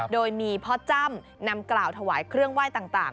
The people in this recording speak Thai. โดยมีพ่อจ้ำนำกล่าวถวายเครื่องไหว้ต่าง